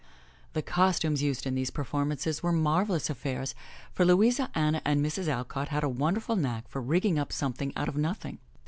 The costumes used in these performances were marvelous af fairs, for Louisa, Anna and Mrs. Alcott had a wonderful knack for rigging up something out of nothing.